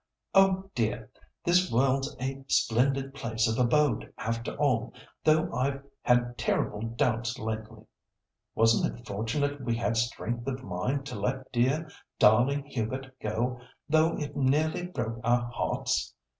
"Oh! dear, this world's a splendid place of abode, after all, though I've had terrible doubts lately. Wasn't it fortunate we had strength of mind to let dear, darling Hubert go, though it nearly broke our hearts?